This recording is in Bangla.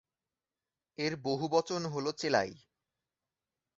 এর বহুবচন হলো চেলাই।